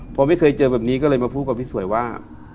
พอไม่เคยเจอแบบนี้ก็เลยมาพูดกับพี่สวยว่า